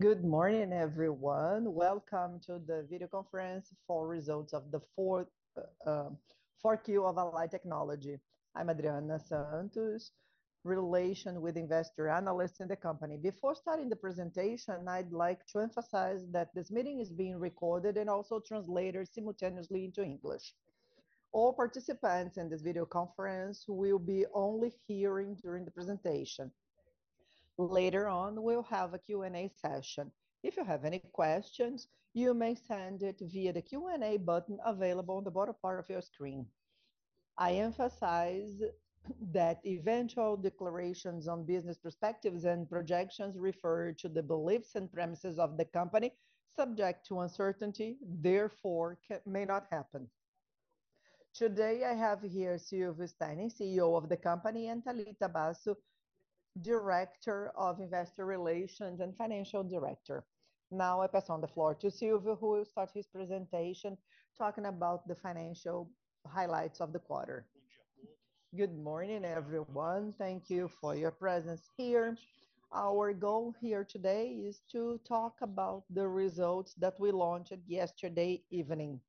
Good morning, everyone. Welcome to the video conference for results of the fourth Q of Allied Technology. I'm Adriana Santos, Investor Relations, Allied Tecnologia S.A. Before starting the presentation, I'd like to emphasize that this meeting is being recorded and also translated simultaneously into English. All participants in this video conference will be only hearing during the presentation. Later on, we'll have a Q&A session. If you have any questions, you may send it via the Q&A button available on the bottom part of your screen. I emphasize that eventual declarations on business perspectives and projections refer to the beliefs and premises of the company subject to uncertainty, therefore, may not happen. Today, I have here Silvio Stagni, CEO of the company, and Thalita Basso, Chief Financial and Investor Relations Officer. I pass on the floor to Silvio, who will start his presentation talking about the financial highlights of the quarter. Good morning, everyone. Thank you for your presence here. Our goal here today is to talk about the results that we launched yesterday evening.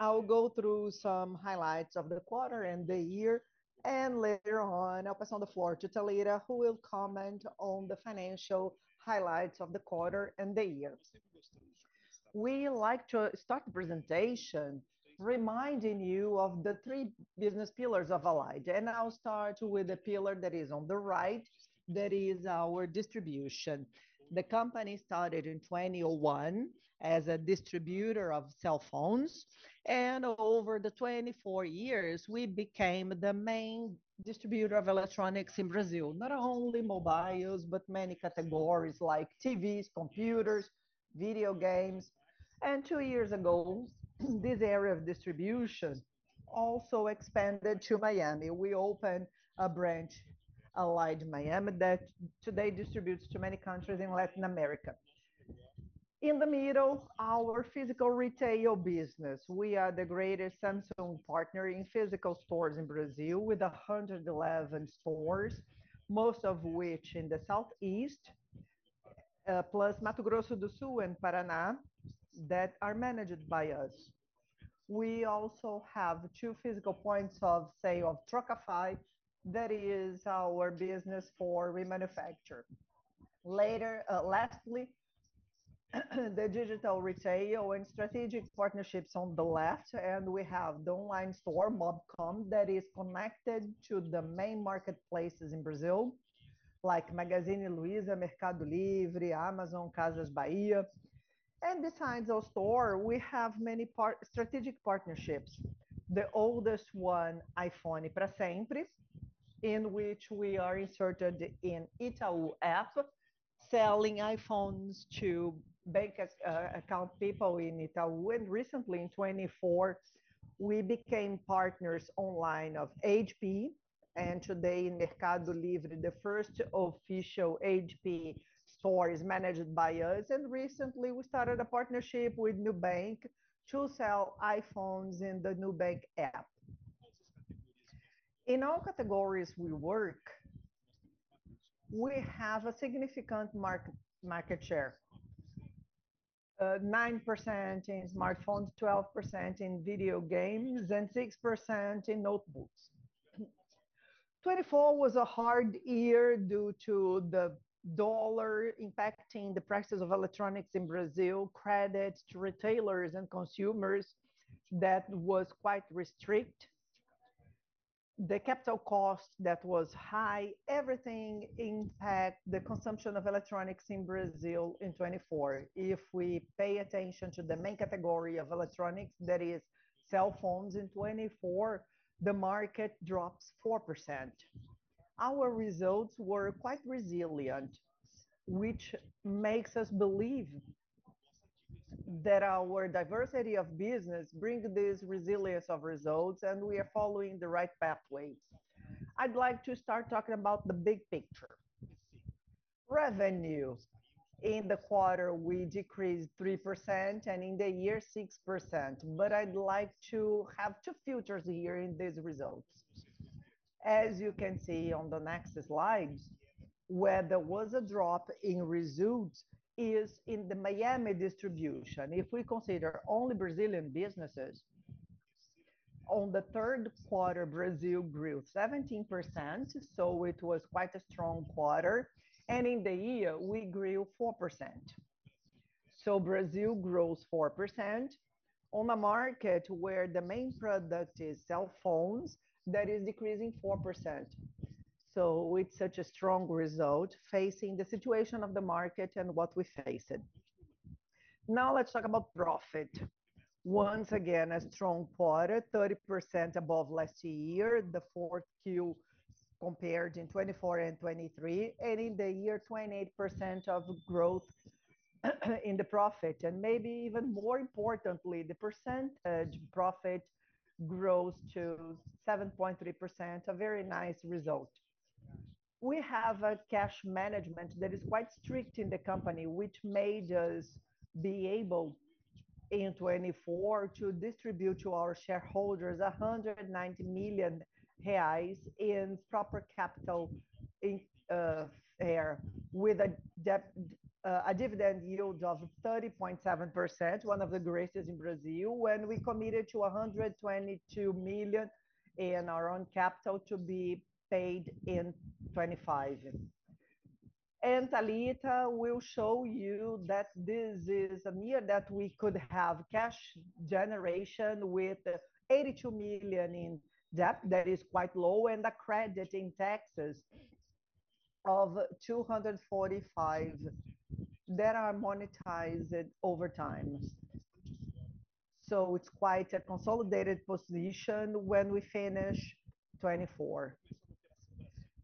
I'll go through some highlights of the quarter and the year, and later on I'll pass on the floor to Thalita, who will comment on the financial highlights of the quarter and the year. We like to start the presentation reminding you of the three business pillars of Allied, and I'll start with the pillar that is on the right, that is our distribution. The company started in 2001 as a distributor of cell phones, and over the 24 years we became the main distributor of electronics in Brazil. Not only mobiles, but many categories like TVs, computers, video games. Two years ago, this area of distribution also expanded to Miami. We opened a branch, Allied Miami, that today distributes to many countries in Latin America. In the middle, our physical retail business. We are the greatest Samsung partner in physical stores in Brazil with 111 stores, most of which in the southeast, plus Mato Grosso do Sul and Paraná that are managed by us. We also have two physical points of sale of Trocafy, that is our business for remanufacture. Lastly, the digital retail and strategic partnerships on the left, we have the online store, Mobcom, that is connected to the main marketplaces in Brazil, like Magazine Luiza, Mercado Livre, Amazon, Casas Bahia. Besides our store, we have many strategic partnerships. The oldest one, iPhone pra Sempre, in which we are inserted in Itaú app, selling iPhones to bank account people in Itaú. Recently in 2024, we became partners online of HP, and today in Mercado Livre, the first official HP Store is managed by us. Recently we started a partnership with Nubank to sell iPhones in the Nubank app. In all categories we work, we have a significant market share. 9% in smartphones, 12% in video games, and 6% in notebooks. 2024 was a hard year due to the dollar impacting the prices of electronics in Brazil, credit to retailers and consumers that was quite restricted. The capital cost that was high, everything impacted the consumption of electronics in Brazil in 2024. If we pay attention to the main category of electronics, that is cell phones, in 2024, the market dropped 4%. Our results were quite resilient, which makes us believe that our diversity of business brings this resilience of results, we are following the right pathways. I'd like to start talking about the big picture. Revenues. In the quarter, we decreased 3%, and in the year 6%. I'd like to have two filters here in these results. As you can see on the next slides, where there was a drop in results is in the Miami distribution. If we consider only Brazilian businesses, on the third quarter, Brazil grew 17%. It was quite a strong quarter. In the year, we grew 4%. Brazil grows 4% on a market where the main product is cell phones that is decreasing 4%. It's such a strong result facing the situation of the market and what we faced. Now let's talk about profit. Once again, a strong quarter, 30% above last year, the fourth Q compared in 2024 and 2023. In the year, 28% of growth in the profit. Maybe even more importantly, the percentage profit grows to 7.3%, a very nice result. We have a cash management that is quite strict in the company, which made us be able in 2024 to distribute to our shareholders 190 million reais in proper capital in share with a dividend yield of 30.7%, one of the greatest in Brazil. We committed to 122 million in our own capital to be paid in 2025. Thalita will show you that this is a year that we could have cash generation with 82 million in debt that is quite low, and accreting taxes of 245 million that are monetized over time. It's quite a consolidated position when we finish 2024.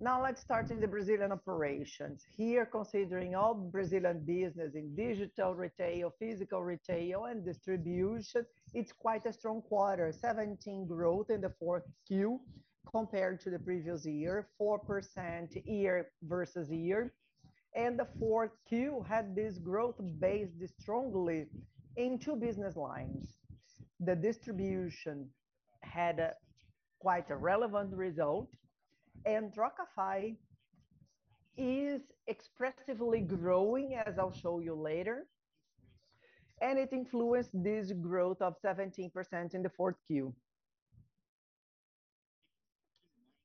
Now let's start in the Brazilian operations. Here, considering all Brazilian business in digital retail, physical retail, and distribution, it's quite a strong quarter, 17% growth in the fourth Q compared to the previous year, 4% year-over-year. The fourth Q had this growth based strongly in two business lines. The distribution had quite a relevant result. Trocafy is expressively growing, as I'll show you later, and it influenced this growth of 17% in the fourth Q.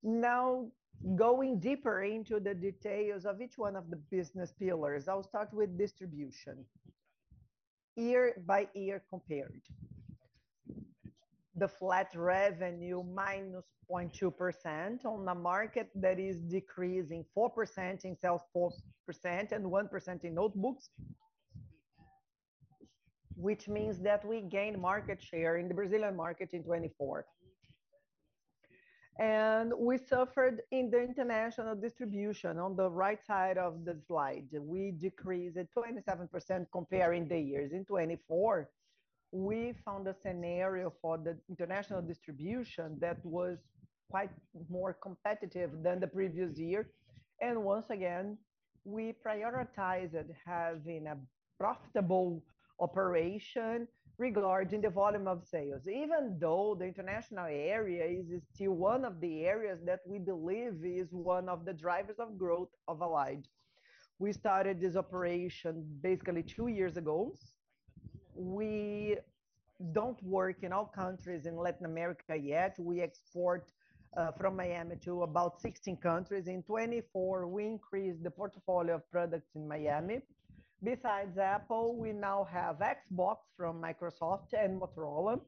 Now, going deeper into the details of each one of the business pillars. I'll start with distribution. Year-over-year compared. The flat revenue minus 0.2% on a market that is decreasing 4% in cell phones and 1% in notebooks, which means that we gained market share in the Brazilian market in 2024. We suffered in the international distribution on the right side of the slide. We decreased 27% comparing the years. In 2024, we found a scenario for the international distribution that was quite more competitive than the previous year. Once again, we prioritized having a profitable operation regarding the volume of sales, even though the international area is still one of the areas that we believe is one of the drivers of growth of Allied. We started this operation basically two years ago. We don't work in all countries in Latin America yet. We export from Miami to about 16 countries. In 2024, we increased the portfolio of products in Miami. Besides Apple, we now have Xbox from Microsoft and Motorola.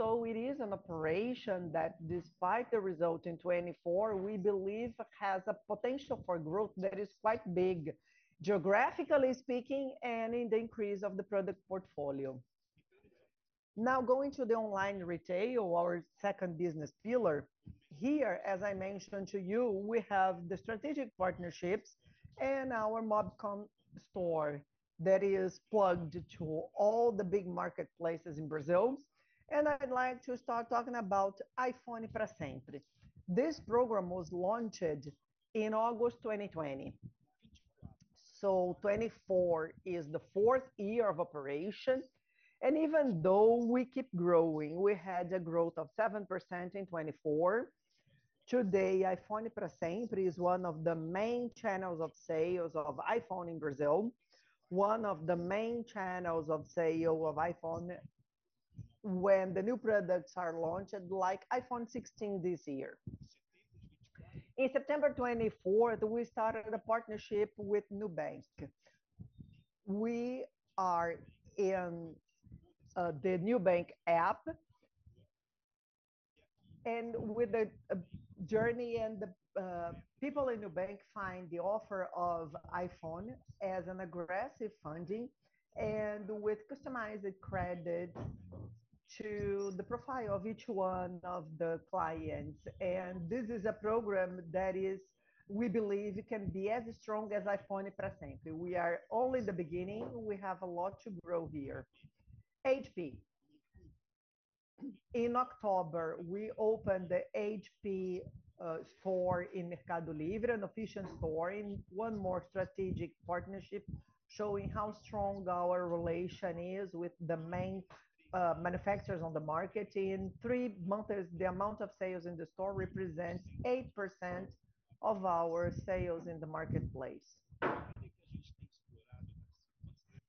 It is an operation that despite the result in 2024, we believe has a potential for growth that is quite big, geographically speaking, and in the increase of the product portfolio. Now going to the online retail, our second business pillar. Here, as I mentioned to you, we have the strategic partnerships and our Mobcom store that is plugged to all the big marketplaces in Brazil. I'd like to start talking about iPhone Para Sempre. This program was launched in August 2020. 2024 is the 4th year of operation, and even though we keep growing, we had a growth of 7% in 2024. Today, iPhone Para Sempre is one of the main channels of sales of iPhone in Brazil, one of the main channels of sale of iPhone when the new products are launched, like iPhone 16 this year. In September 24th, we started a partnership with Nubank. We are in the Nubank app. With the journey and the people in Nubank find the offer of iPhone as an aggressive funding and with customized credit to the profile of each one of the clients. This is a program that we believe can be as strong as iPhone Para Sempre. We are only the beginning. We have a lot to grow here. HP. In October, we opened the HP Store in Mercado Livre, an efficient store in one more strategic partnership, showing how strong our relation is with the main manufacturers on the market. In three months, the amount of sales in the store represents 8% of our sales in the marketplace.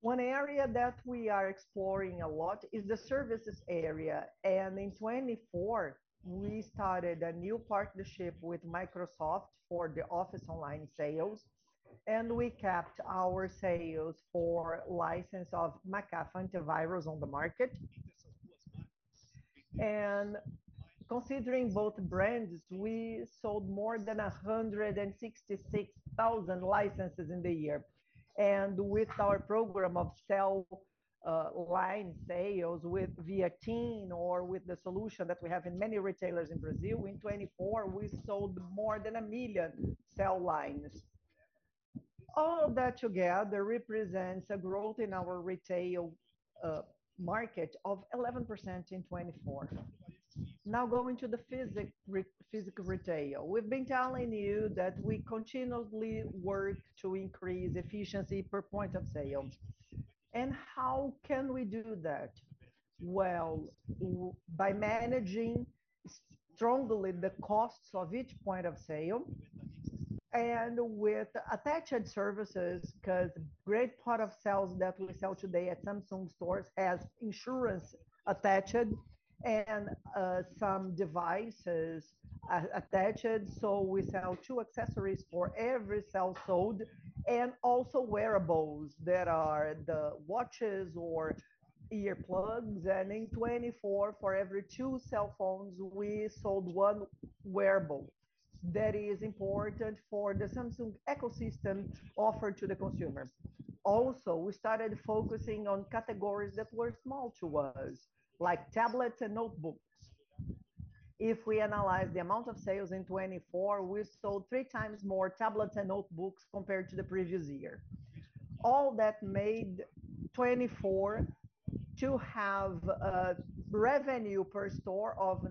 One area that we are exploring a lot is the services area. In 2024, we started a new partnership with Microsoft for the Office online sales. We kept our sales for license of McAfee antivirus on the market. Considering both brands, we sold more than 166,000 licenses in the year. With our program of cell line sales with Viaümü or with the solution that we have in many retailers in Brazil, in 2024, we sold more than 1 million cell lines. All of that together represents a growth in our retail market of 11% in 2024. Going to the physical retail. We've been telling you that we continually work to increase efficiency per point of sale. How can we do that? Well, by managing strongly the costs of each point of sale. With attached services, because great part of cells that we sell today at Samsung stores has insurance attached and some devices attached. We sell two accessories for every cell sold, and also wearables that are the watches or earplugs. In 2024, for every two cell phones, we sold one wearable. That is important for the Samsung ecosystem offered to the consumers. Also, we started focusing on categories that were small to us, like tablets and notebooks. If we analyze the amount of sales in 2024, we sold three times more tablets and notebooks compared to the previous year. All that made 2024 to have a revenue per store of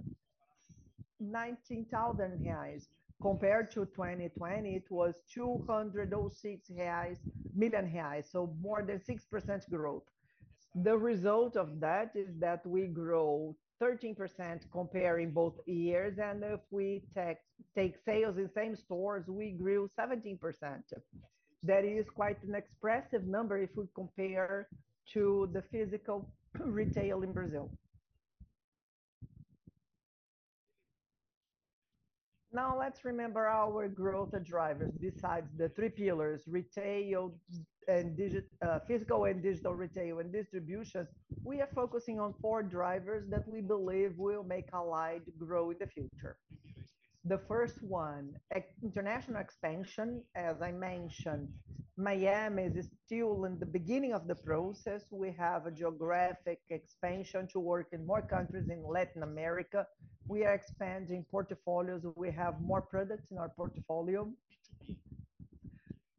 19,000 reais. Compared to 2020, it was 206 million reais, so more than 6% growth. The result of that is that we grow 13% comparing both years, and if we take sales in same stores, we grew 17%. That is quite an expressive number if we compare to the physical retail in Brazil. Let's remember our growth drivers. Besides the three pillars, physical and digital retail and distribution, we are focusing on four drivers that we believe will make Allied grow in the future. The first one, international expansion. As I mentioned, Miami is still in the beginning of the process. We have a geographic expansion to work in more countries in Latin America. We are expanding portfolios. We have more products in our portfolio.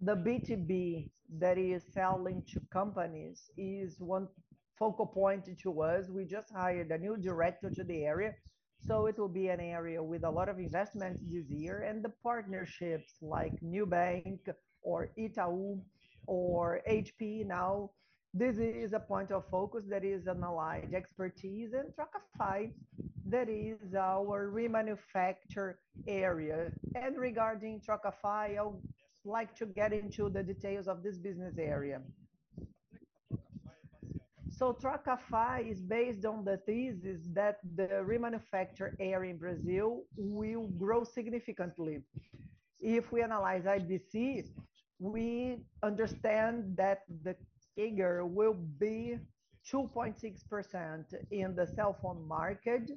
The B2B that is selling to companies is one focal point to us. We just hired a new director to the area, it will be an area with a lot of investment this year. The partnerships like Nubank or Itaú or HP now, this is a point of focus that is Allied expertise. Trocafy, that is our remanufacture area. Regarding Trocafy, I would like to get into the details of this business area. Trocafy is based on the thesis that the remanufacture area in Brazil will grow significantly. If we analyze IDC, we understand that the figure will be 2.6% in the cell phone market.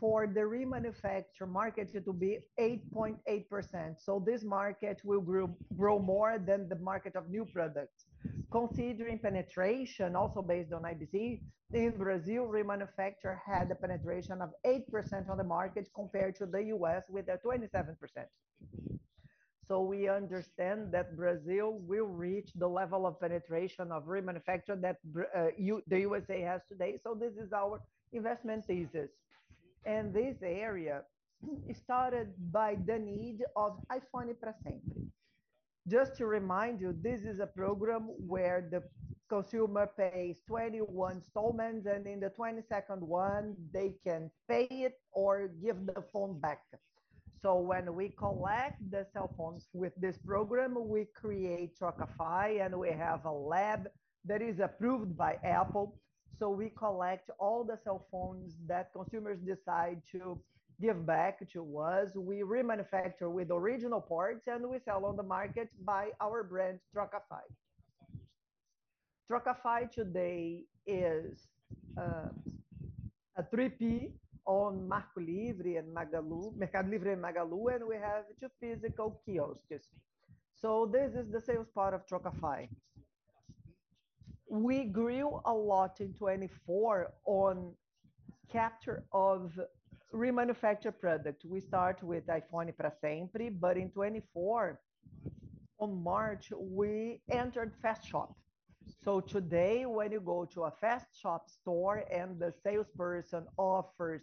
For the remanufacture market, it will be 8.8%. This market will grow more than the market of new products. Considering penetration, also based on IDC, this Brazil remanufacture had a penetration of 8% on the market compared to the U.S. with a 27%. We understand that Brazil will reach the level of penetration of remanufacture that the U.S. has today. This is our investment thesis. This area started by the need of iPhone pra Sempre. Just to remind you, this is a program where the consumer pays 21 installments, and in the 22nd one, they can pay it or give the phone back. When we collect the cell phones with this program, we create Trocafy, and we have a lab that is approved by Apple. We collect all the cell phones that consumers decide to give back to us. We remanufacture with original parts, and we sell on the market by our brand, Trocafy. Trocafy today is a 3P on Mercado Livre and Magalu, and we have two physical kiosks. This is the sales part of Trocafy. We grew a lot in 2024 on capture of remanufacture product. We start with iPhone pra Sempre, in 2024, on March, we entered Fast Shop. Today, when you go to a Fast Shop store, and the salesperson offers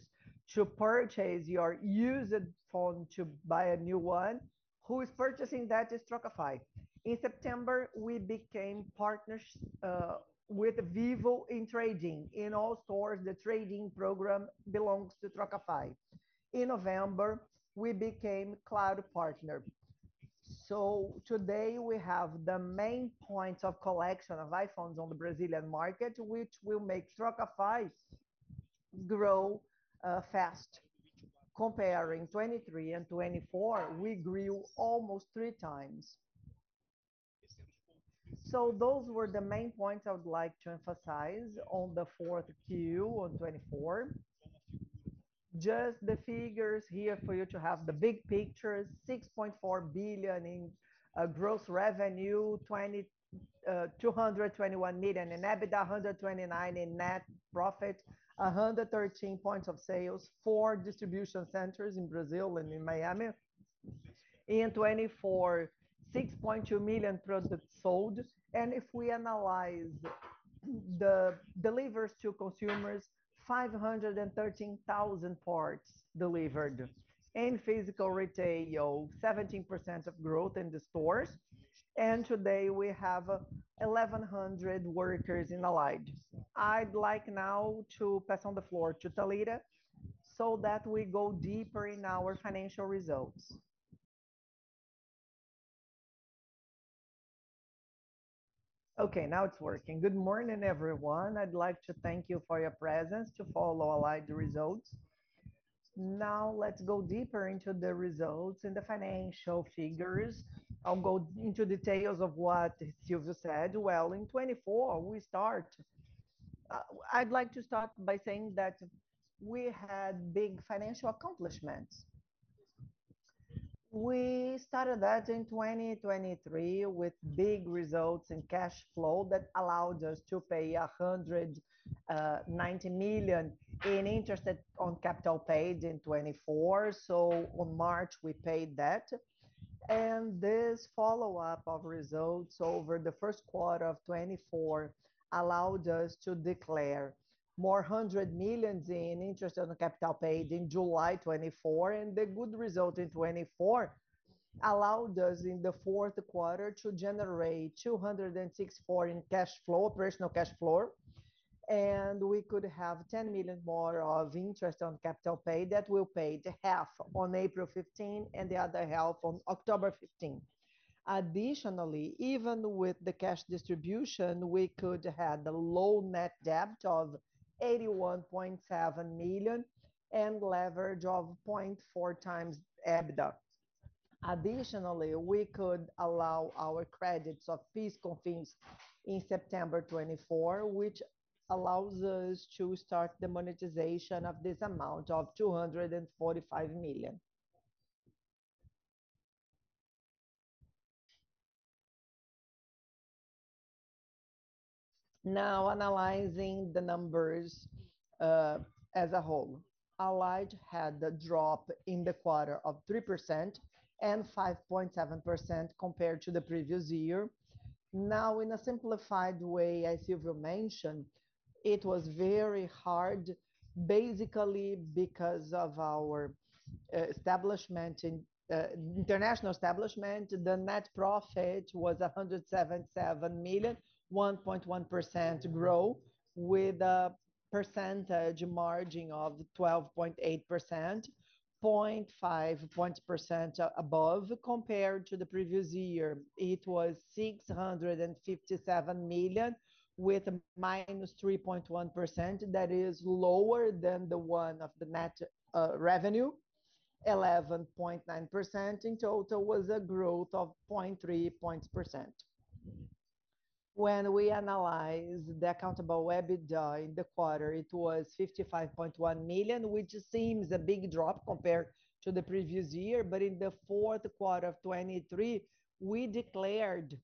to purchase your used phone to buy a new one, who is purchasing that is Trocafy. In September, we became partners with Vivo in trading. In all stores, the trading program belongs to Trocafy. In November, we became Claro partner. Today we have the main points of collection of iPhones on the Brazilian market, which will make Trocafy grow fast. Comparing 2023 and 2024, we grew almost three times. Those were the main points I would like to emphasize on the 4Q on 2024. Just the figures here for you to have the big picture. 6.4 billion in gross revenue, 221 million in EBITDA, 129 million in net profit, 113 points of sales, four distribution centers in Brazil and in Miami. In 2024, 6.2 million products sold. If we analyze the deliveries to consumers, 513,000 parts delivered. In physical retail, 17% of growth in the stores. Today we have 1,100 workers in Allied. I'd like now to pass on the floor to Thalita so that we go deeper in our financial results. Okay, now it's working. Good morning, everyone. I'd like to thank you for your presence to follow Allied results. Now let's go deeper into the results and the financial figures. I'll go into details of what Silvio said. In 2024, we start. I'd like to start by saying that we had big financial accomplishments. We started that in 2023 with big results in cash flow that allowed us to pay 190 million in interest on equity in 2024. On March, we paid that. This follow-up of results over the first quarter of 2024 allowed us to declare more 100 million in interest on equity in July 2024, the good result in 2024 allowed us in the fourth quarter to generate 264 million in cash flow, operational cash flow. We could have 10 million more of interest on equity. That we'll pay half on April 15 and the other half on October 15. Additionally, even with the cash distribution, we could have the low net debt of 81.7 million and leverage of 0.4x EBITDA. Additionally, we could allow our credits of PIS/COFINS in September 2024, which allows us to start the monetization of this amount of 245 million. Analyzing the numbers as a whole. Allied had a drop in the quarter of 3% and 5.7% compared to the previous year. In a simplified way, as Silvio mentioned, it was very hard basically because of our international establishment. The net profit was 177 million, 1.1% growth with a percentage margin of 12.8%, 0.5 percentage points above compared to the previous year. It was 657 million with a -3.1%. That is lower than the one of the net revenue, 11.9%. In total was a growth of 0.3 percentage points. When we analyze the accountable EBITDA in the quarter, it was 55.1 million, which seems a big drop compared to the previous year. In the fourth quarter of 2023, we declared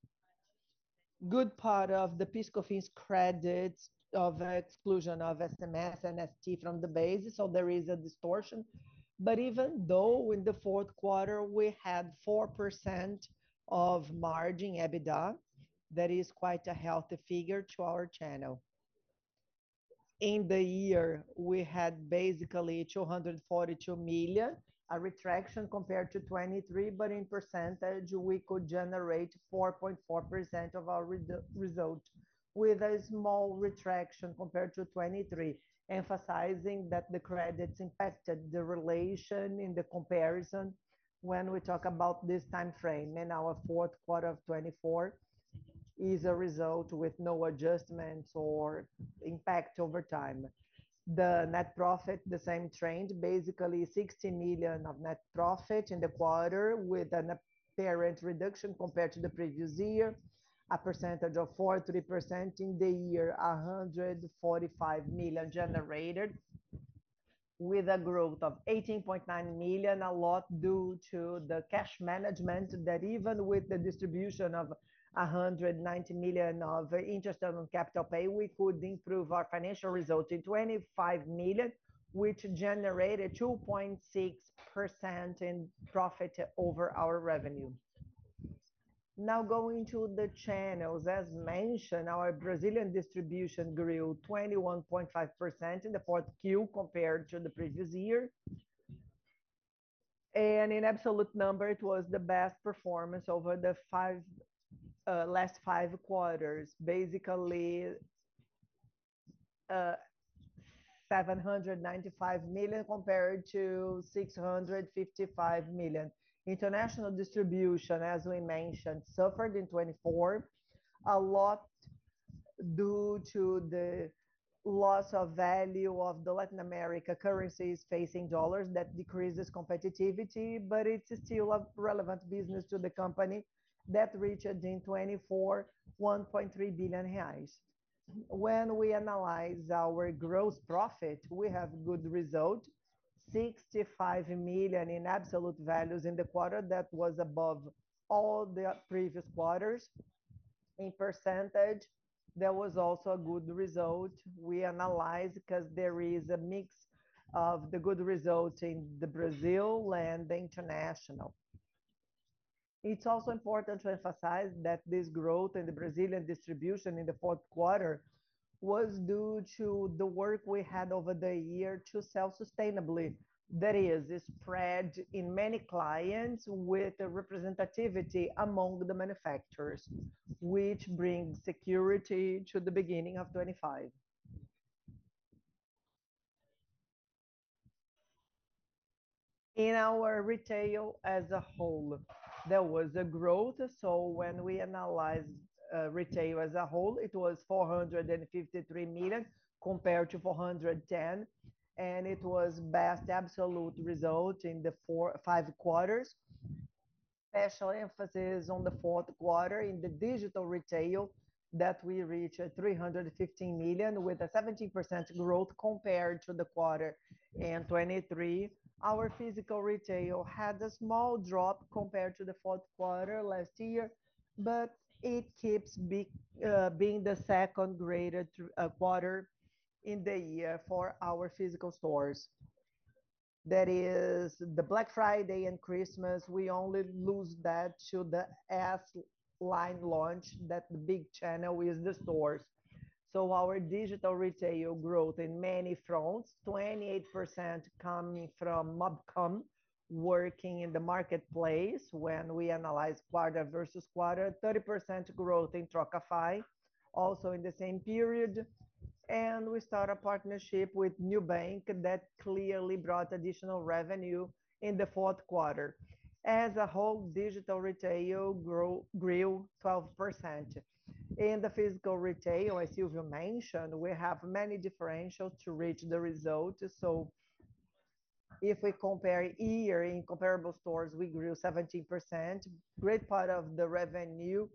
good part of the PIS/COFINS credits of exclusion of ICMS and ST from the base, so there is a distortion. Even though in the fourth quarter we had 4% EBITDA margin, that is quite a healthy figure to our channel. In the year, we had basically 242 million, a retraction compared to 2023, but in percentage, we could generate 4.4% of our result with a small retraction compared to 2023, emphasizing that the credits impacted the relation in the comparison when we talk about this timeframe. Our fourth quarter of 2024 is a result with no adjustments or impact over time. The net profit, the same trend, basically 60 million of net profit in the quarter with an apparent reduction compared to the previous year, a percentage of 43% in the year, 145 million generated with a growth of 18.9 million, a lot due to the cash management that even with the distribution of 190 million of interest on equity, we could improve our financial result in 25 million, which generated 2.6% in profit over our revenue. Going to the channels. As mentioned, our Brazilian distribution grew 21.5% in the fourth Q compared to the previous year. In absolute number, it was the best performance over the last five quarters. Basically, 795 million compared to 655 million. International distribution, as we mentioned, suffered in 2024 a lot due to the loss of value of the Latin American currencies facing U.S. dollars. It decreases competitiveness, it's still a relevant business to the company that reached in 2024 1.3 billion reais. We analyze our gross profit, we have a good result, 65 million in absolute values in the quarter. It was above all the previous quarters. It was also a good result we analyzed because there is a mix of the good results in Brazil and internationally. It's also important to emphasize that this growth in the Brazilian distribution in the fourth quarter was due to the work we had over the year to sell sustainably. It is spread in many clients with a representativity among the manufacturers, which brings security to the beginning of 2025. Our retail as a whole had a growth. We analyzed retail as a whole, it was 453 million compared to 410 million, and it was the best absolute result in the five quarters. Special emphasis on the fourth quarter in the digital retail that we reached 315 million with a 17% growth compared to the quarter in 2023. Our physical retail had a small drop compared to the fourth quarter last year. It keeps being the second greatest quarter in the year for our physical stores. It is the Black Friday and Christmas, we only lose that to the S line launch, that big channel is the stores. Our digital retail grew in many fronts, 28% coming from Mobcom, working in the marketplace when we analyze quarter-over-quarter, 30% growth in Trocafy also in the same period. We started a partnership with Nubank that clearly brought additional revenue in the fourth quarter. As a whole, digital retail grew 12%. The physical retail, as Silvio mentioned, we have many differentials to reach the result. If we compare year-over-year in comparable stores, we grew 17%. A great part of the revenue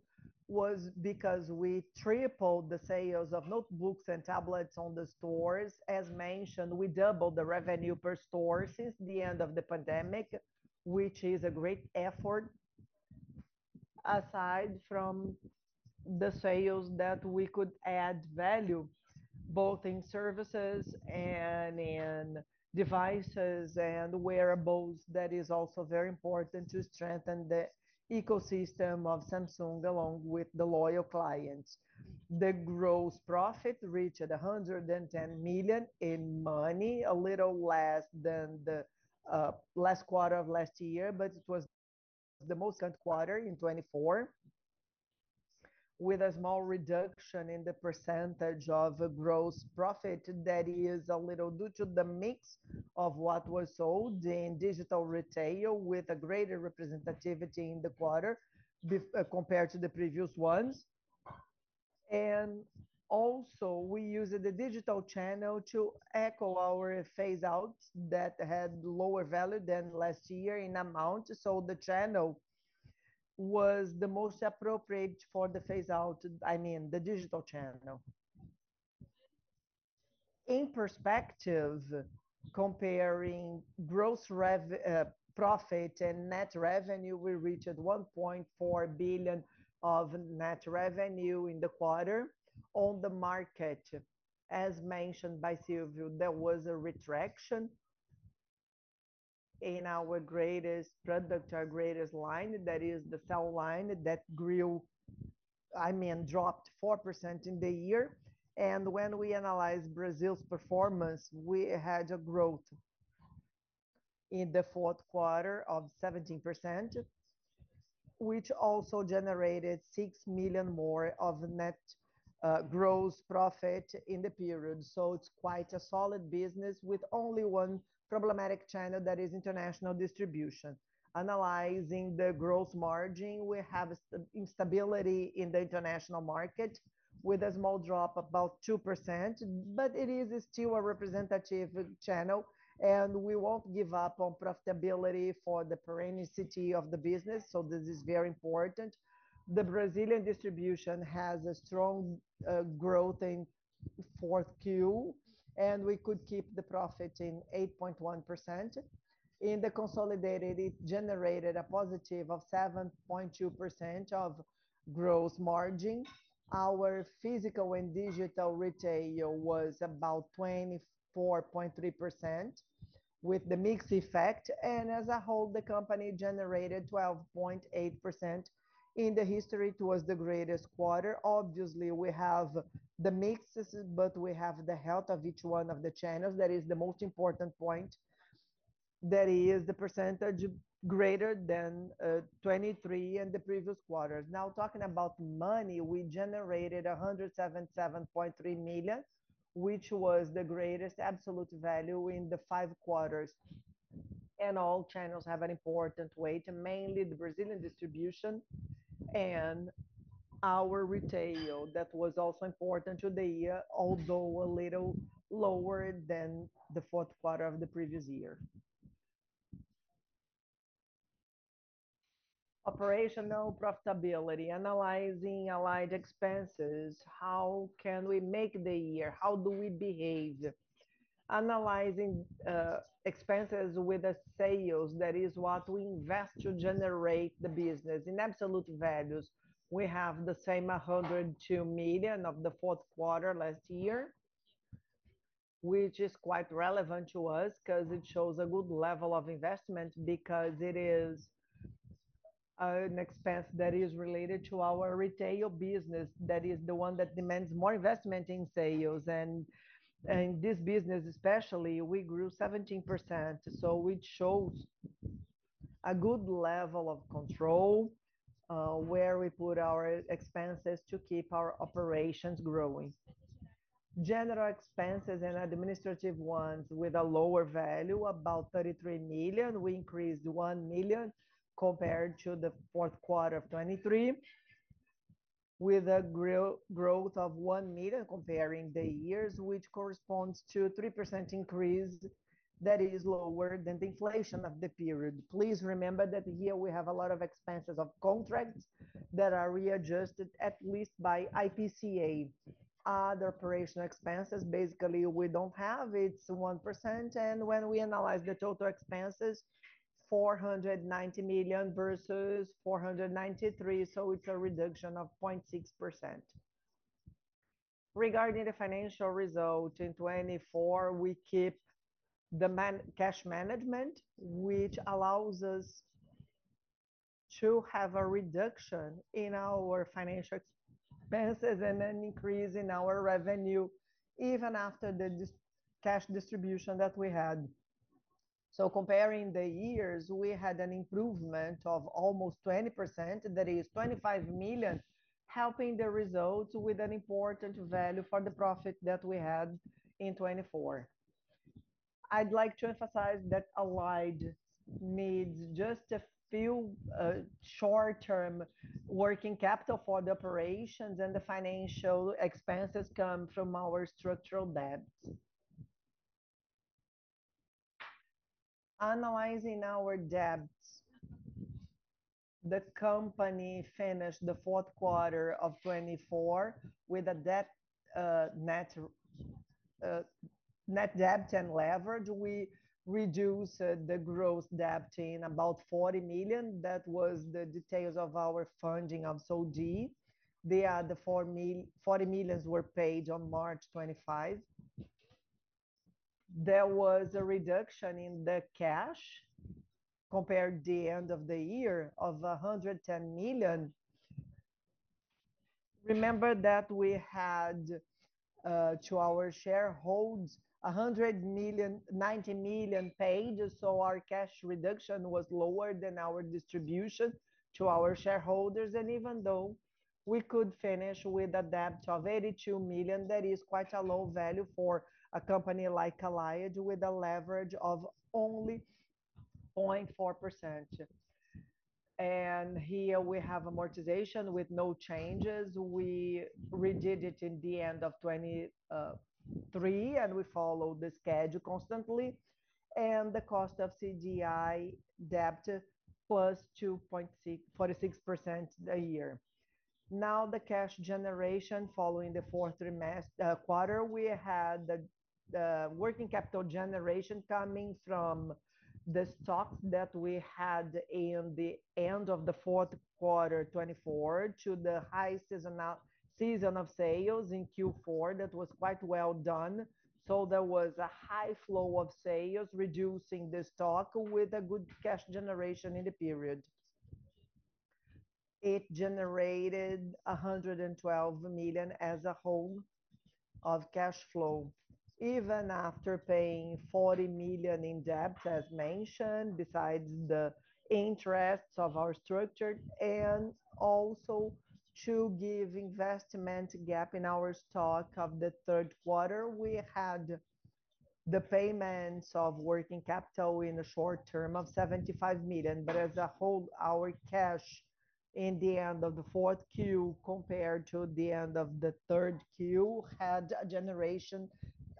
was because we tripled the sales of notebooks and tablets in the stores. As mentioned, we doubled the revenue per store since the end of the pandemic, which is a great effort. Aside from the sales that we could add value, both in services and in devices and wearables, it is also very important to strengthen the ecosystem of Samsung along with the loyal clients. The gross profit reached 110 million, a little less than the last quarter of last year, but it was the most current quarter in 2024. With a small reduction in the percentage of gross profit, it is a little due to the mix of what was sold in digital retail with a greater representativity in the quarter compared to the previous ones. We also used the digital channel to echo our phase outs that had lower value than last year in amount. The channel was the most appropriate for the phase out, I mean, the digital channel. In perspective, comparing gross profit and net revenue, we reached 1.4 billion of net revenue in the quarter. The market, as mentioned by Silvio, had a retraction in our greatest product, our greatest line, that is the cell line that dropped 4% in the year. We analyzed Brazil's performance, we had a growth in the fourth quarter of 17%, which also generated 6 million more of net gross profit in the period. It is quite a solid business with only one problematic channel that is international distribution. Analyzing the gross margin, we have instability in the international market with a small drop, about 2%, but it is still a representative channel, and we won't give up on profitability for the perennity of the business. This is very important. The Brazilian distribution has a strong growth in fourth Q, and we could keep the profit in 8.1%. In the consolidated, it generated a positive of 7.2% of gross margin. Our physical and digital retail was about 24.3% with the mix effect, and as a whole, the company generated 12.8%. In the history, it was the greatest quarter. Obviously, we have the mixes, but we have the health of each one of the channels. That is the most important point. That is the percentage greater than 2023 and the previous quarters. Now talking about money, we generated 177.3 million, which was the greatest absolute value in the five quarters. All channels have an important weight, mainly the Brazilian distribution and our retail that was also important to the year, although a little lower than the fourth quarter of the previous year. Operational profitability, analyzing Allied expenses. How can we make the year? How do we behave? Analyzing expenses with the sales, that is what we invest to generate the business. In absolute values, we have the same 102 million of the fourth quarter last year. It is quite relevant to us because it shows a good level of investment, because it is an expense that is related to our retail business, that is the one that demands more investment in sales. In this business especially, we grew 17%, which shows a good level of control where we put our expenses to keep our operations growing. General expenses and administrative ones with a lower value, about 33 million. We increased 1 million compared to the fourth quarter of 2023, with a growth of 1 million comparing the years, which corresponds to a 3% increase that is lower than the inflation of the period. Please remember that here we have a lot of expenses of contracts that are readjusted, at least by IPCA. Other operational expenses, basically we do not have. It is 1%. When we analyze the total expenses, 490 million versus 493 million, it is a reduction of 0.6%. Regarding the financial result in 2024, we keep the cash management, which allows us to have a reduction in our financial expenses and an increase in our revenue even after the cash distribution that we had. Comparing the years, we had an improvement of almost 20%, that is 25 million, helping the results with an important value for the profit that we had in 2024. I would like to emphasize that Allied needs just a few short-term working capital for the operations, and the financial expenses come from our structural debts. Analyzing our debts, the company finished the fourth quarter of 2024 with a net debt and leverage. We reduced the gross debt in about 40 million. That was the details of our funding of Soudi. The 40 million were paid on March 25. There was a reduction in the cash compared to the end of the year of 110 million. Remember that we had, to our shareholders, 190 million paid, our cash reduction was lower than our distribution to our shareholders. Even though we could finish with a debt of 82 million, that is quite a low value for a company like Allied with a leverage of only 0.4%. Here we have amortization with no changes. We redid it in the end of 2023, we follow the schedule constantly, the cost of CDI debt was 2.46% a year. The cash generation following the fourth quarter. We had the working capital generation coming from the stocks that we had in the end of the fourth quarter 2024 to the high season of sales in Q4. That was quite well done. There was a high flow of sales reducing the stock with a good cash generation in the period. It generated 112 million as a whole of cash flow, even after paying 40 million in debt, as mentioned, besides the interests of our structure, and also to give investment gap in our stock of the third quarter. We had the payments of working capital in the short term of 75 million. As a whole, our cash in the end of the fourth Q compared to the end of the third Q, had a generation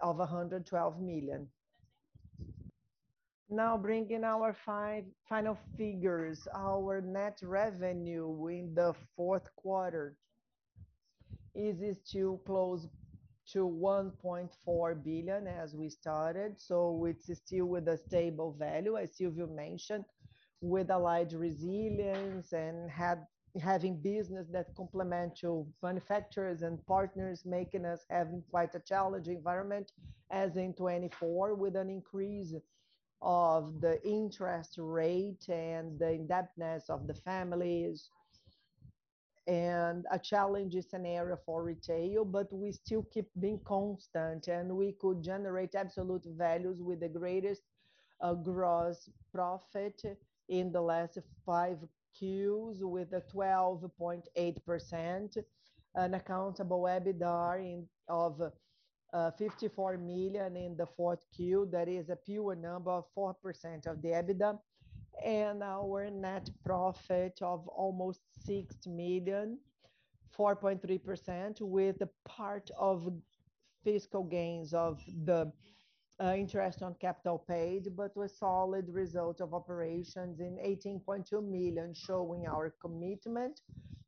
of 112 million. Bringing our final figures. Our net revenue in the fourth quarter is still close to 1.4 billion as we started. It's still with a stable value, as Silvio mentioned, with Allied resilience and having business that complement to manufacturers and partners, making us have quite a challenging environment as in 2024 with an increase of the interest rate and the indebtedness of the families, and a challenging scenario for retail. We still keep being constant, we could generate absolute values with the greatest gross profit in the last five Qs with a 12.8%, an accountable EBITDA of 54 million in the fourth Q. That is a pure number of 4% of the EBITDA. Our net profit of almost 6 million, 4.3% with part of fiscal gains of the interest on capital paid, a solid result of operations in 18.2 million, showing our commitment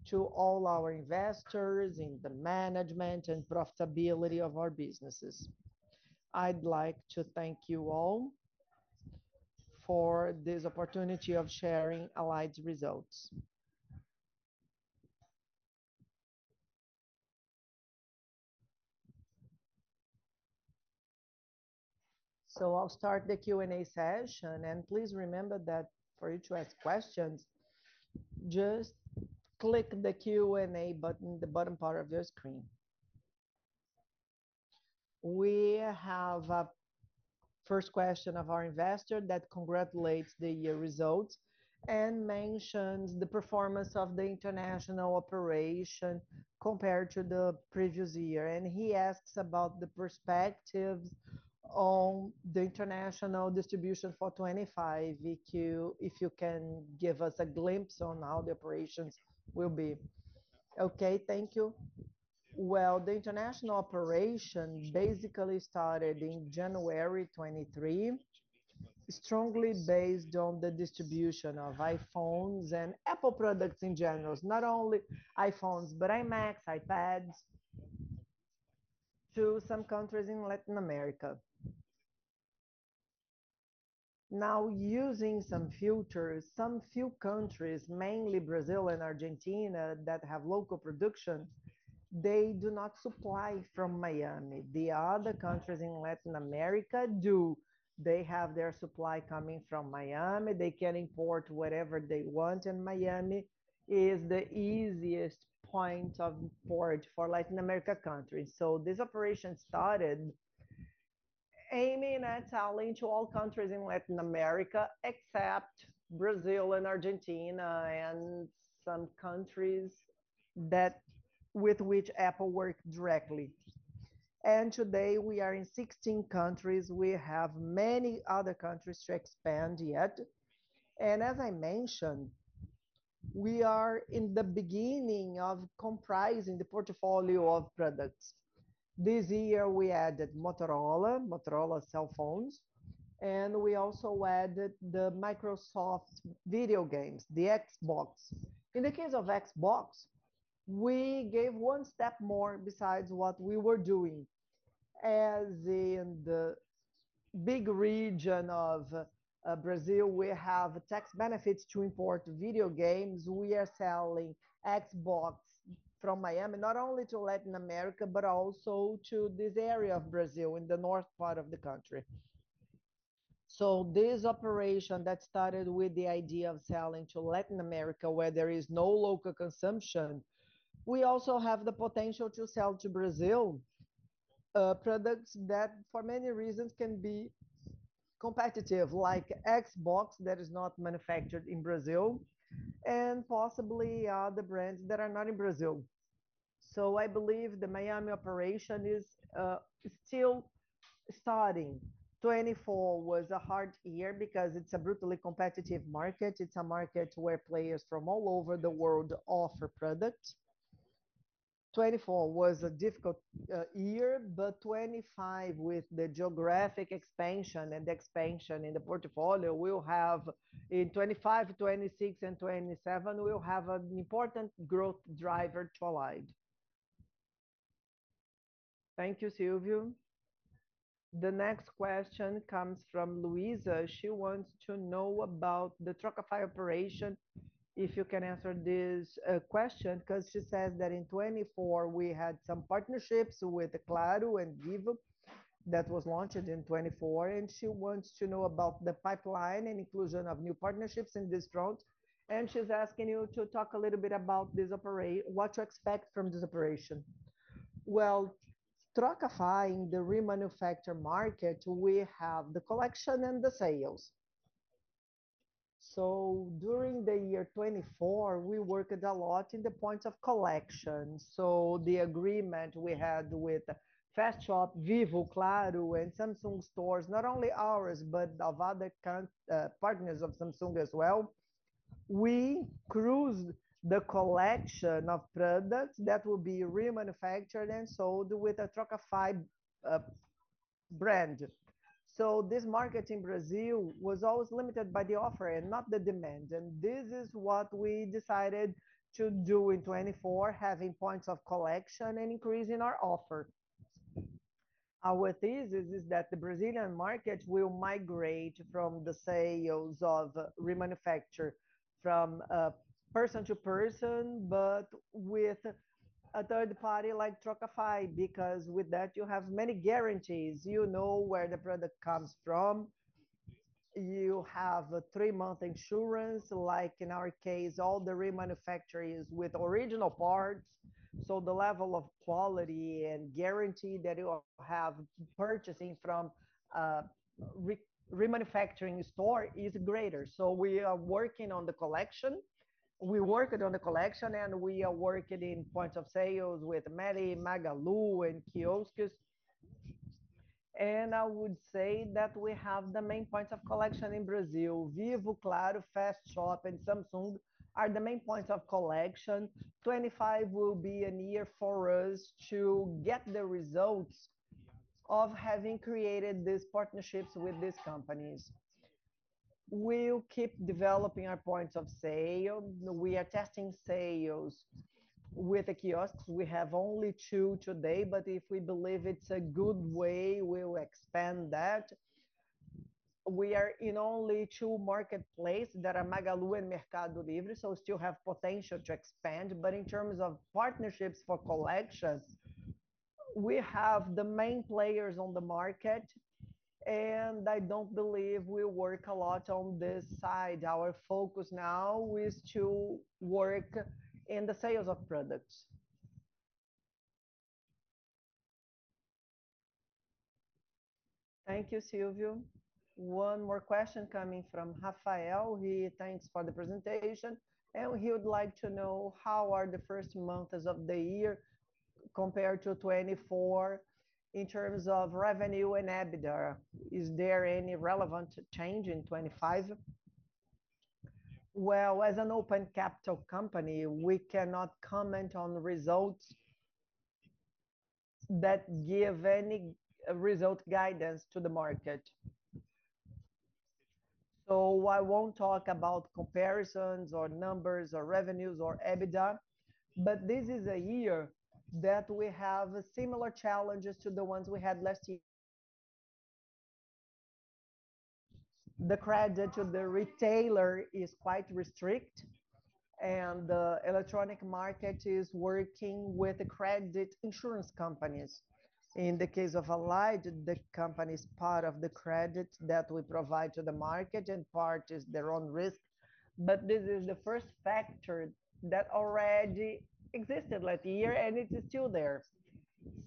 to all our investors in the management and profitability of our businesses. I'd like to thank you all for this opportunity of sharing Allied's results. I'll start the Q&A session, please remember that for you to ask questions, just click the Q&A button, the bottom part of your screen. We have a first question of our investor that congratulates the year results and mentions the performance of the international operation compared to the previous year, he asks about the perspectives on the international distribution for 2025. VQ, if you can give us a glimpse on how the operations will be. Okay. Thank you. The international operation basically started in January 2023, strongly based on the distribution of iPhones and Apple products in general, not only iPhones, but iMacs, iPads, to some countries in Latin America. Using some filters, some few countries, mainly Brazil and Argentina, that have local production, they do not supply from Miami. The other countries in Latin America do. They have their supply coming from Miami. They can import whatever they want, and Miami is the easiest point of port for Latin America countries. This operation started aiming at selling to all countries in Latin America except Brazil and Argentina and some countries with which Apple work directly. Today we are in 16 countries. We have many other countries to expand yet. As I mentioned, we are in the beginning of comprising the portfolio of products. This year we added Motorola cell phones, and we also added the Microsoft video games, the Xbox. In the case of Xbox, we gave one step more besides what we were doing. As in the big region of Brazil, we have tax benefits to import video games. We are selling Xbox from Miami, not only to Latin America, but also to this area of Brazil in the north part of the country. This operation that started with the idea of selling to Latin America where there is no local consumption, we also have the potential to sell to Brazil, products that for many reasons can be competitive, like Xbox that is not manufactured in Brazil, and possibly other brands that are not in Brazil. I believe the Miami operation is still starting. 2024 was a hard year because it's a brutally competitive market. It's a market where players from all over the world offer product. 2024 was a difficult year, but 2025 with the geographic expansion and expansion in the portfolio, we'll have in 2025, 2026, and 2027, we'll have an important growth driver to Allied. Thank you, Silvio. The next question comes from Luisa. She wants to know about the Trocafy operation. If you can answer this question, because she says that in 2024, we had some partnerships with Claro and Vivo that was launched in 2024, and she wants to know about the pipeline and inclusion of new partnerships in this front, and she's asking you to talk a little bit about what to expect from this operation. Well, Trocafy, in the remanufacture market, we have the collection and the sales. During the year 2024, we worked a lot in the points of collection. The agreement we had with Fast Shop, Vivo, Claro, and Samsung stores, not only ours, but of other partners of Samsung as well. We cruised the collection of products that will be remanufactured and sold with a Trocafy brand. This market in Brazil was always limited by the offer and not the demand, and this is what we decided to do in 2024, having points of collection and increasing our offer. Our thesis is that the Brazilian market will migrate from the sales of remanufacture from person to person, but with a third party like Trocafy, because with that you have many guarantees. You know where the product comes from. You have a three-month insurance, like in our case, all the remanufacturing is with original parts. The level of quality and guarantee that you have purchasing from a remanufacturing store is greater. We are working on the collection. We worked on the collection, and we are working in points of sales with Meli, Magalu, and kiosks. I would say that we have the main points of collection in Brazil. Vivo, Claro, Fast Shop, and Samsung are the main points of collection. 2025 will be a year for us to get the results of having created these partnerships with these companies. We'll keep developing our points of sale. We are testing sales with the kiosks. We have only two today, but if we believe it's a good way, we will expand that. We are in only two marketplaces that are Magalu and Mercado Livre, so still have potential to expand. In terms of partnerships for collections, we have the main players on the market, and I don't believe we work a lot on this side. Our focus now is to work in the sales of products. Thank you, Silvio. One more question coming from Rafael. He thanks for the presentation, and he would like to know how the first months of the year compare to 2024 in terms of revenue and EBITDA. Is there any relevant change in 2025? Well, as an open capital company, we cannot comment on results that give any result guidance to the market. I won't talk about comparisons or numbers or revenues or EBITDA. This is a year that we have similar challenges to the ones we had last year. The credit to the retailer is quite restricted, and the electronic market is working with the credit insurance companies. In the case of Allied, the company's part of the credit that we provide to the market, and part is their own risk. This is the first factor that already existed last year, and it is still there.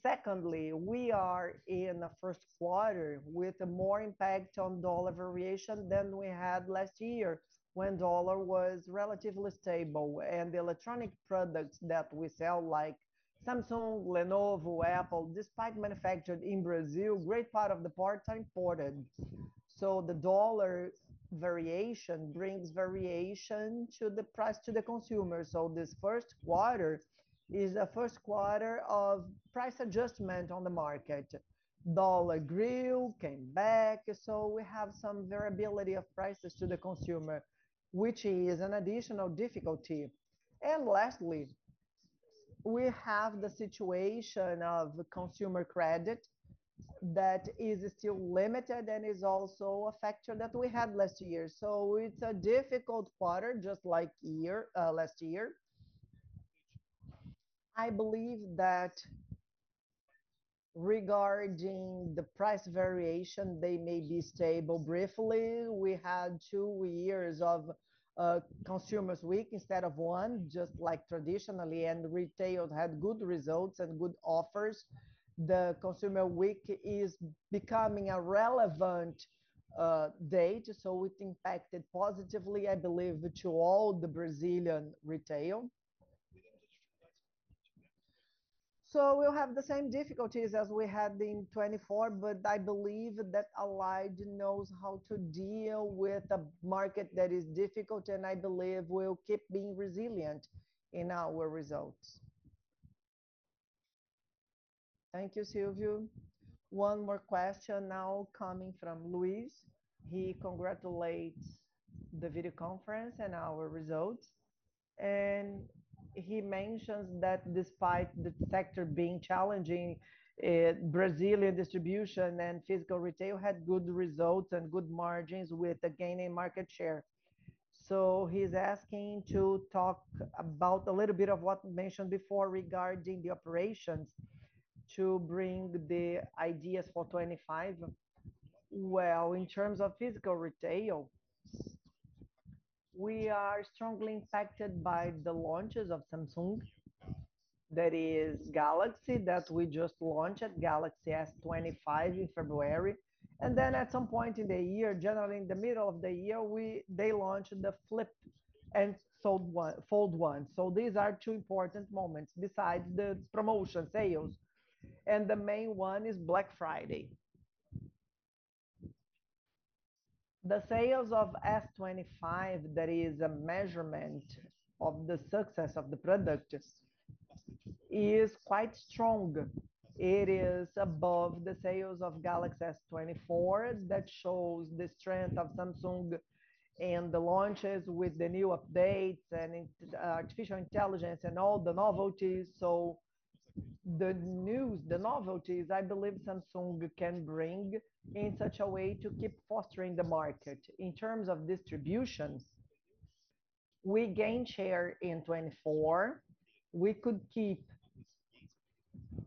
Secondly, we are in the first quarter with more impact on dollar variation than we had last year when dollar was relatively stable. The electronic products that we sell, like Samsung, Lenovo, Apple, despite manufactured in Brazil, great part of the parts are imported. The dollar variation brings variation to the price to the consumer. This first quarter is a first quarter of price adjustment on the market. Dollar grew, came back, we have some variability of prices to the consumer, which is an additional difficulty. Lastly, we have the situation of consumer credit that is still limited and is also a factor that we had last year. It's a difficult quarter, just like last year. I believe that regarding the price variation, they may be stable briefly. We had two years of Consumer Week instead of one, just like traditionally, and retail had good results and good offers. The Consumer Week is becoming a relevant date, it impacted positively, I believe, to all the Brazilian retail. We'll have the same difficulties as we had in 2024, but I believe that Allied knows how to deal with a market that is difficult, and I believe we'll keep being resilient in our results. Thank you, Silvio. One more question now coming from Luis. He congratulates the video conference and our results, and he mentions that despite the sector being challenging, Brazilian distribution and physical retail had good results and good margins with a gain in market share. He's asking to talk about a little bit of what mentioned before regarding the operations to bring the ideas for 2025. In terms of physical retail, we are strongly impacted by the launches of Samsung. That is Galaxy, that we just launched, Galaxy S25 in February. At some point in the year, generally in the middle of the year, they launched the Flip and Fold one. These are two important moments besides the promotion sales, and the main one is Black Friday. The sales of S25, that is a measurement of the success of the product, is quite strong. It is above the sales of Galaxy S24. That shows the strength of Samsung and the launches with the new updates and artificial intelligence and all the novelties. The news, the novelties, I believe Samsung can bring in such a way to keep fostering the market. In terms of distributions, we gained share in 2024. We could keep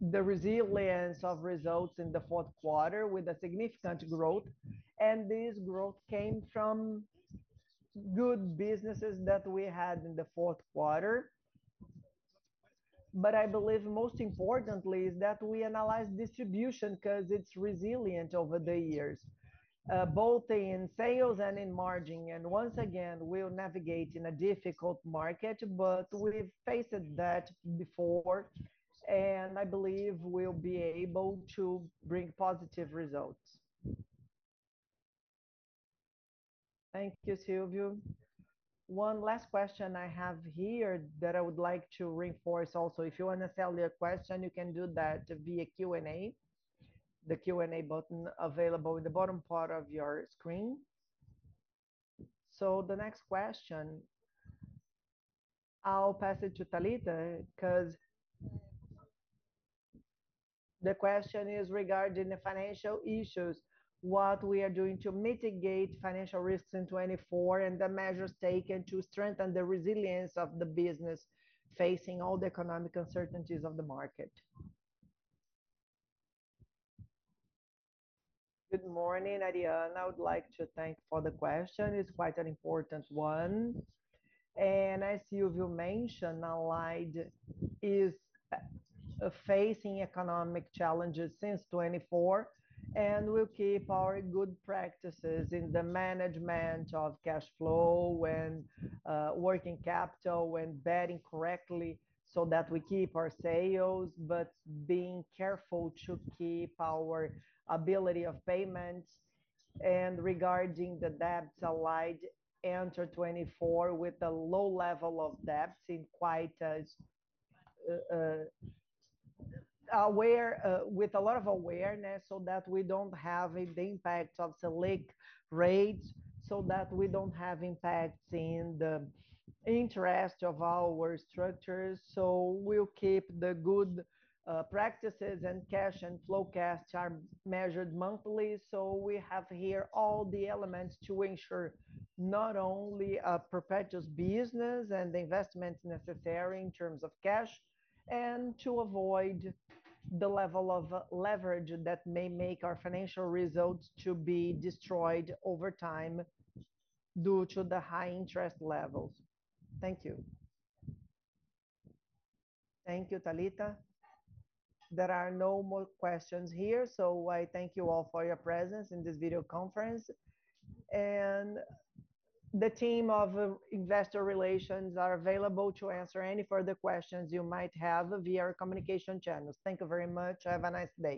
the resilience of results in the fourth quarter with a significant growth, this growth came from good businesses that we had in the fourth quarter. I believe most importantly is that we analyze distribution because it's resilient over the years, both in sales and in margin. Once again, we'll navigate in a difficult market, but we've faced that before, and I believe we'll be able to bring positive results. Thank you, Silvio. One last question I have here that I would like to reinforce also. If you want to sell your question, you can do that via Q&A. The Q&A button available in the bottom part of your screen. The next question, I'll pass it to Thalita because the question is regarding the financial issues, what we are doing to mitigate financial risks in 2024, and the measures taken to strengthen the resilience of the business facing all the economic uncertainties of the market. Good morning, Adriana. I would like to thank for the question. It's quite an important one. As you've mentioned, Allied is facing economic challenges since 2024, and we'll keep our good practices in the management of cash flow and working capital and betting correctly so that we keep our sales, but being careful to keep our ability of payments. Regarding the debts Allied enter 2024 with a low level of debts in quite with a lot of awareness so that we don't have the impact of Selic rates, so that we don't have impacts in the interest of our structures. We'll keep the good practices and cash and flow cash are measured monthly. We have here all the elements to ensure not only a perpetual business and the investments necessary in terms of cash, and to avoid the level of leverage that may make our financial results to be destroyed over time due to the high interest levels. Thank you. Thank you, Thalita. There are no more questions here, I thank you all for your presence in this video conference. The team of investor relations are available to answer any further questions you might have via our communication channels. Thank you very much. Have a nice day.